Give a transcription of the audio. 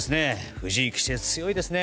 藤井棋聖、強いですね。